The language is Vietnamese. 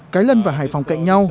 cái lân và hải phòng cạnh nhau